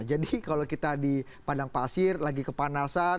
jadi kalau kita dipandang pasir lagi kepanasan